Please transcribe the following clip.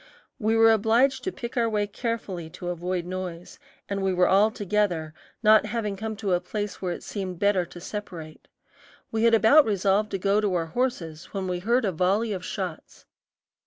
We were obliged to pick our way carefully to avoid noise, and we were all together, not having come to a place where it seemed better to separate. We had about resolved to go to our horses when we heard a volley of shots.